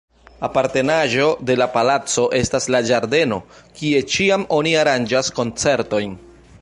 Apartenaĵo de la palaco estas la ĝardeno, kie ĉiam oni aranĝas koncertojn.